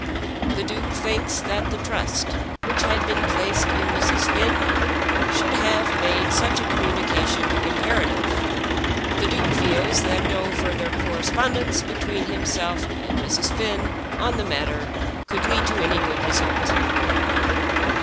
The Duke thinks that the trust which had been placed in Mrs. Finn should have made such a communication imperative. The Duke feels that no further correspondence between himself and Mrs. Finn on the matter could lead to any good result.